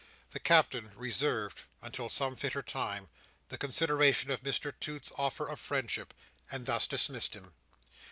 The Captain reserved, until some fitter time, the consideration of Mr Toots's offer of friendship, and thus dismissed him.